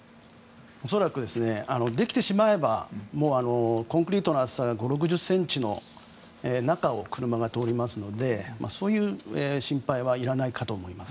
恐らく、できてしまえばコンクリートの厚さが５０６０ｃｍの中を車が通りますのでそういう心配はいらないかと思います。